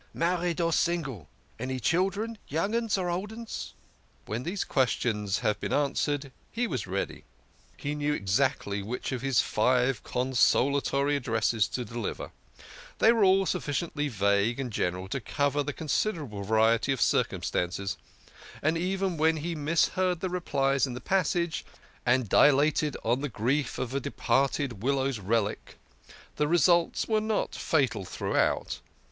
Married or single? Any children? Young 'uns or old 'uns?" When these questions had been answered, he was ready. He knew exactly which of his five consolatory addresses to deliver they were all sufficiently vague and general to cover considerable variety of circumstance, and even when he misheard the replies in the passage, and dilated on the grief of a departed widower's relict, the results were not fatal throughout.